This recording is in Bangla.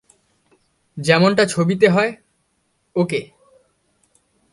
যেমনটা ছবিতে হয়, ওকে।